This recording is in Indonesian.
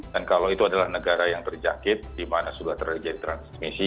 dan kalau itu adalah negara yang terjakit di mana sudah terjadi transmisi